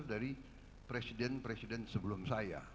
dari presiden presiden sebelum saya